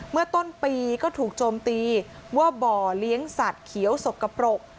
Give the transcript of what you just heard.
เมื่อต้นปีก็ถูกโจมตีว่าบ่อเลี้ยงสัตว์เขียวสกปรก